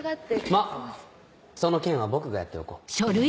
まっその件は僕がやっておこう。